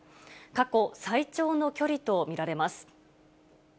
過去最長の距離と見られます。